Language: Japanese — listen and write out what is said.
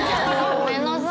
ごめんなさい。